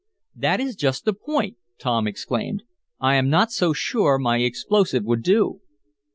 "That is just the point!" Tom exclaimed. "I am not so sure my explosive would do."